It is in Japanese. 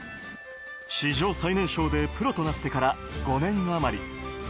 史上最年少でプロとなってから５年余り。